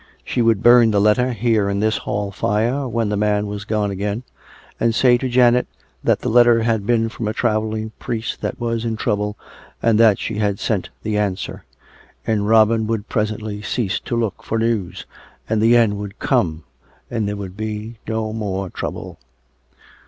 She would burn the letter here in this hall fire when the man was gone again; and say to Janet that the letter had been from a travelling priest that was in trouble, and that she had sent the answer. And Robin would presently cease to look for news, and the end would come, and there would be no more trouble.)